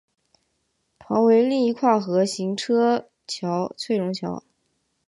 旁为另一跨河行车桥翠榕桥。